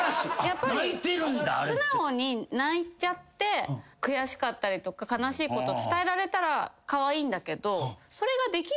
やっぱり素直に泣いちゃって悔しかったりとか悲しいこと伝えられたらカワイイんだけど。